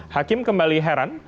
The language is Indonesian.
hakim kembali heran